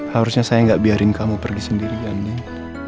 harusnya saya gak biarin kamu pergi sendiri andin